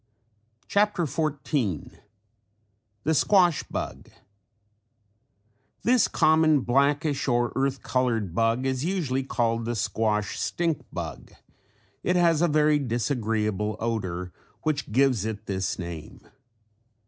CHAPTER XIV THE SQUASH BUG This common blackish or earth colored bug is usually called the squash stink bug. It has a very disagreeable odor which gives it this name.